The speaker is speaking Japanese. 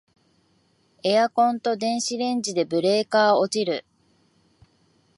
エアコンと電子レンジでブレーカー落ちる